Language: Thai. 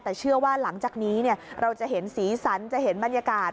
แต่เชื่อว่าหลังจากนี้เราจะเห็นสีสันจะเห็นบรรยากาศ